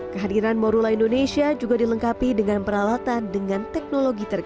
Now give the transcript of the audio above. kehadiran morula indonesia juga dilengkapi dengan penyelenggaraan yang berbeda